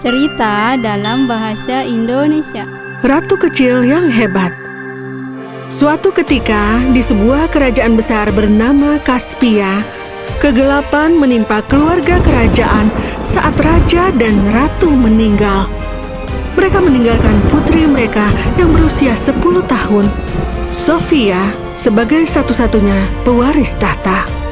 ratu kecil yang hebat